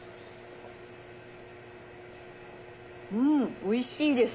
うんおいしいです。